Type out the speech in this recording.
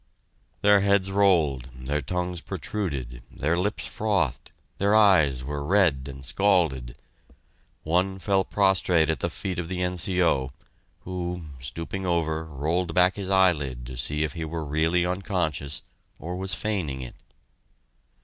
Their heads rolled, their tongues protruded, their lips frothed, their eyes were red and scalded and one fell prostrate at the feet of the N.C.O., who, stooping over, rolled back his eyelid to see if he were really unconscious or was feigning it.